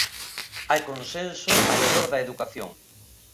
Hai consenso arredor da educación.